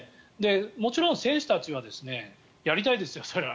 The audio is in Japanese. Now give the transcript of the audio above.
もちろん、選手たちはやりたいですよ、それは。